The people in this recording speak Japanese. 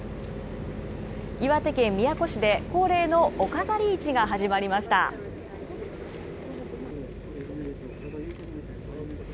岩手県宮古市で、恒例のお飾り市が始まりました。